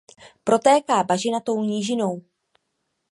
Protéká bažinatou nížinou.